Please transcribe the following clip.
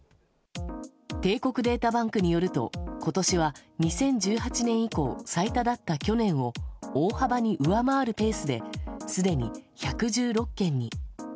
帝国データバンクによると今年は２０１８年以降最多だった去年を大幅に上回るペースですでに１１６件に。